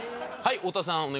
はい太田さん